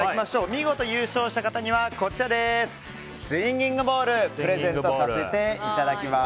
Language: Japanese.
見事優勝した方にはスインギングボールプレゼントさせていただきます。